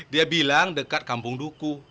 dia bilang dekat kampung duku